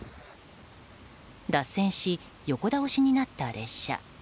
脱線し、横倒しになった列車。